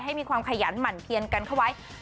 ให้มีความขยันหมั่นเพียนกันเข้าไว้